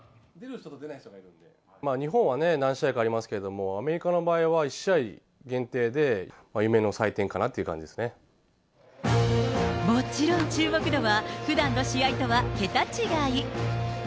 日本はね、何試合かありますけど、アメリカの場合は１試合限定で、夢の祭典かなという感じでもちろん注目度は、ふだんの試合とは桁違い。